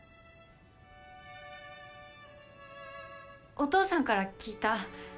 お父さんから聞いた。